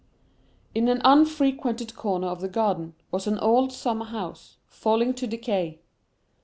In an unfrequented corner of the garden, was an old summer house, falling to decay.